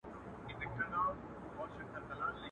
لاس دي راکه چي مشکل دي کړم آسانه.